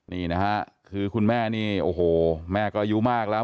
นี่นะฮะคือคุณแม่นี่โอ้โหแม่ก็อายุมากแล้ว